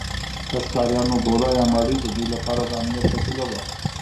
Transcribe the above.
د ښکاریانو ګوله یا مړۍ د دوی لپاره د امنیت وسیله وه.